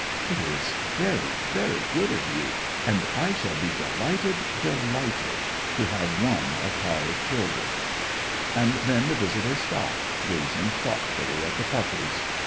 "It is very, very good of you, and I shall be delighted, delighted to have one of Tara's children." And then the visitor stopped, gazing thoughtfully at the puppies.